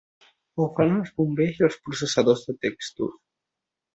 Ho fan els bombers i els processadors de textos.